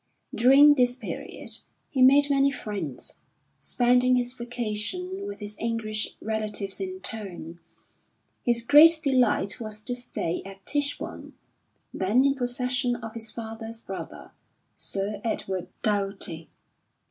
During this period he made many friends, spending his vacation with his English relatives in turn. His great delight was to stay at Tichborne, then in possession of his father's brother, Sir Edward Doughty.